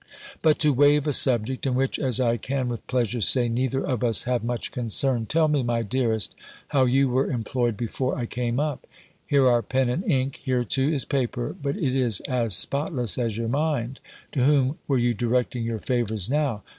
"But to wave a subject, in which, as I can with pleasure say, neither of us have much concern, tell me, my dearest, how you were employed before I came up? Here are pen and ink: here, too, is paper, but it is as spotless as your mind. To whom were you directing your favours now?